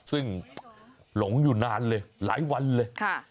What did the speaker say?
ซึ่งหลงอยู่นานเลยหลายวันเลย